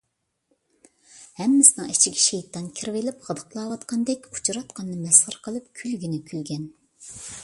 ھەممىسىنىڭ ئىچىگە شەيتان كىرىۋېلىپ غىدىقلاۋاتقاندەك ئۇچىراتقاننى مەسخىرە قىلىپ كۈلگىنى كۈلگەن.